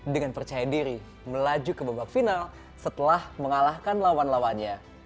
dengan percaya diri melaju ke babak final setelah mengalahkan lawan lawannya